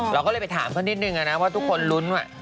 เราก็เลยไปถามเขานิดนึงนะว่าทุกคนลุ้นว่า